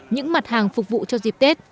những mặt hàng phục vụ cho dịp tết